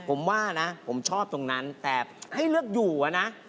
ผมว่านะผมชอบตรงนั้นแต่ให้เลือกอยู่อะนะ